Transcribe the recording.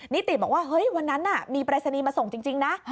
นิติบอกว่าเฮ้ยวันนั้นมีปรายศนีย์มาส่งจริงนะ